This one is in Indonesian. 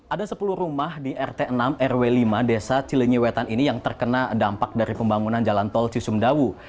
ada sepuluh rumah di rt enam rw lima desa cilenyi wetan ini yang terkena dampak dari pembangunan jalan tol cisumdawu